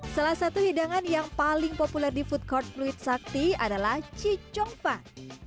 salah satu hidangan yang paling populer di food court fluid sakti adalah cicongfan